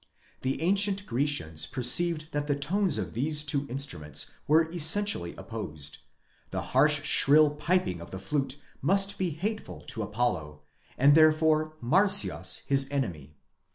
The ancient Grecians perceived that the tones of these two instruments were essentially opposed: the harsh shrill piping of the flute must be hateful to Apollo, and therefore Marsyas his enemy.